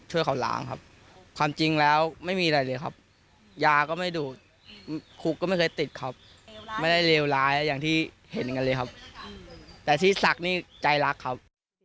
เห็นกันเลยครับแต่ที่ศักดิ์นี่ใจรักครับ